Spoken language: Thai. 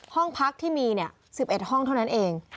ห้องพักที่มี๑๑ห้องเท่านั้นเอง